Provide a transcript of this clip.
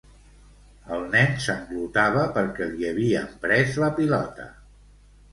El nen sanglotava perquè li havien pres la pilota.